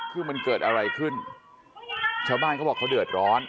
คือมันเกิดอะไรขึ้นชาวบ้านเขาบอกเขาเดือดร้อน